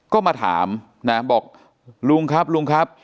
ก็มาถามนะบอกลุงครับลุงครับ